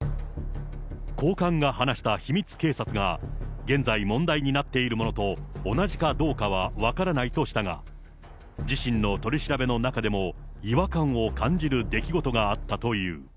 高官が話した秘密警察が現在問題になっているものと同じかどうかは分からないとしたが、自身の取り調べの中でも違和感を感じる出来事があったという。